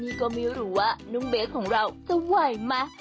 นี่ก็ไม่รู้ว่านุ่มเบสของเราจะไหวไหม